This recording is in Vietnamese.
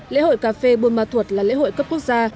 lễ hội cà phê buôn bà thuật là lễ hội cấp quốc gia